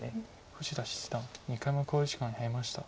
富士田七段２回目の考慮時間に入りました。